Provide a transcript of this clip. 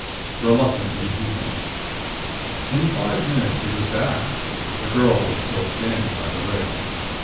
Reluctantly he went. In five minutes he was back. The girl was still standing by the rail.